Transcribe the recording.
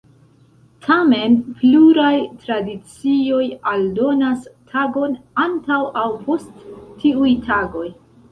Tamen, pluraj tradicioj aldonas tagon antaŭ aŭ post tiuj tagoj.